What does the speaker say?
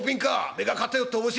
目が偏って面白えな」。